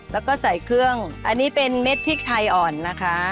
แล้วก็ใส่เครื่องอันนี้เป็นเม็ดพริกไทยอ่อนนะคะ